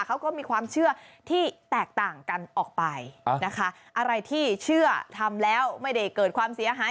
เขาก็มีความเชื่อที่แตกต่างกันออกไปนะคะอะไรที่เชื่อทำแล้วไม่ได้เกิดความเสียหาย